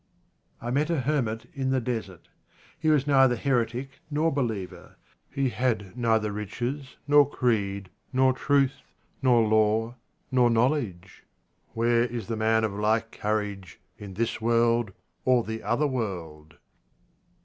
I met a hermit in the desert. He was neither heretic nor believer ; he had neither riches, nor creed, nor truth, nor law, nor knowledge. Where is the man of like courage in this world or the other world